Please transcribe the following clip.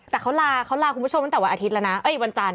แต่เขาลาคุณผู้ชมตั้งแต่วันอาทิตย์แล้วนะ